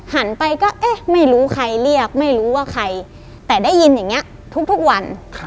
หันไปก็เอ๊ะไม่รู้ใครเรียกไม่รู้ว่าใครแต่ได้ยินอย่างนี้ทุกวัน